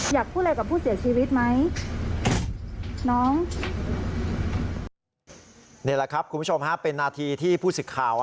นี่แหละครับคุณผู้ชมเป็นนาทีที่ผู้สิทธิ์ข่าว